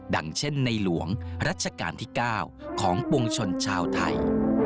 ดังเช่นในหลวงรัชกาลที่๙ของปวงชนชาวไทย